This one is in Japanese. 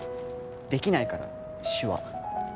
できないから、手話。